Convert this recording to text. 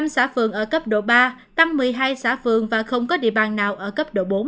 hai mươi năm xã phường ở cấp độ ba tăng một mươi hai xã phường và không có địa bàn nào ở cấp độ bốn